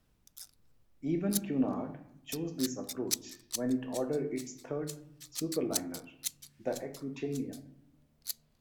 Even Cunard chose this approach when it ordered its third superliner, the "Aquitania".